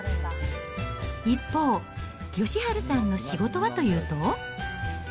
一方、義治さんの仕事はというと。